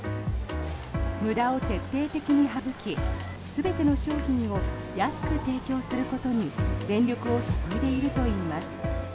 無駄を徹底的に省き全ての商品を安く提供することに全力を注いでいるといいます。